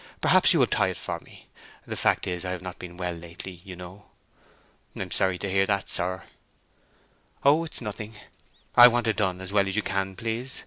Perhaps you will tie it for me. The fact is, I have not been well lately, you know." "I am sorry to hear that, sir." "Oh, it's nothing. I want it done as well as you can, please.